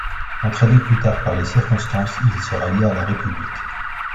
Entraîné plus tard par les circonstances, il se rallia à la République.